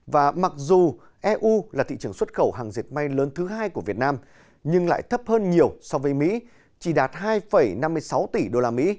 và mặc dù eu là thị trường xuất khẩu hàng diệt may lớn thứ hai của việt nam nhưng lại thấp hơn nhiều so với mỹ chỉ đạt hai năm mươi sáu tỷ usd